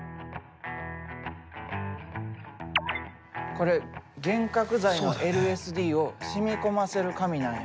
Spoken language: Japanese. これ幻覚剤のＬＳＤを染み込ませる紙なんや。